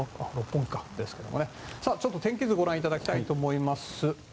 ちょっと天気図をご覧いただきたいと思います。